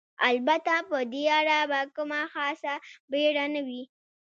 البته په دې اړه به کومه خاصه بېړه نه وي.